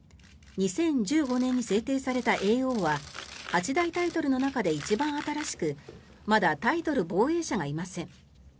２０１５年に制定された叡王は八大タイトルの中で一番新しくまだタイトル防衛者がいません。